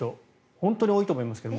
本当に多いと思いますけど。